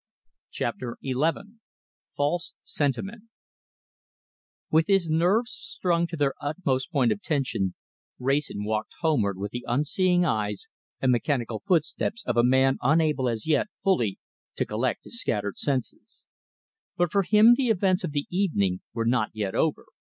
CHAPTER XI FALSE SENTIMENT With his nerves strung to their utmost point of tension Wrayson walked homeward with the unseeing eyes and mechanical footsteps of a man unable as yet fully to collect his scattered senses. But for him the events of the evening were not yet over.